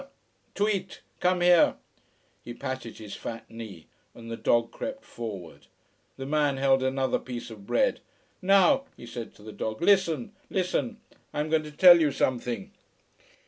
Come here! Tweet! Come here!" He patted his fat knee, and the dog crept forward. The man held another piece of bread. "Now," he said to the dog, "listen! Listen. I am going to tell you something.